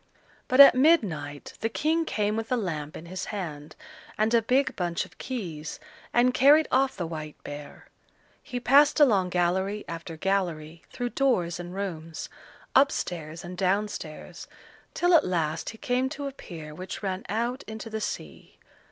But at midnight the King came with a lamp in his hand and a big bunch of keys, and carried off the white bear. He passed along gallery after gallery through doors and rooms, up stairs and down stairs, till at last he came to a pier which ran out into the sea.